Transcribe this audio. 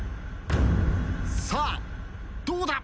さあどうだ？